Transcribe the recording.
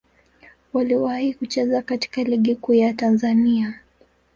Waliwahi kucheza katika Ligi Kuu ya Tanzania.